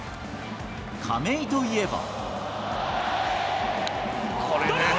亀井といえば。